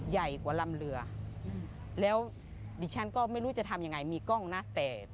ใหญ่กว่าลำเรือแล้วดิฉันก็ไม่รู้จะทำยังไงมีกล้องนะแต่